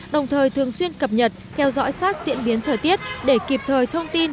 đồng thời thường xuyên cập nhật theo dõi sát diễn biến thời tiết để kịp thời thông tin